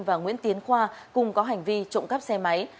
và nguyễn tiến khoa cùng có hành vi trộm cắp xe máy